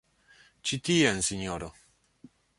Ĉi tien, sinjoro!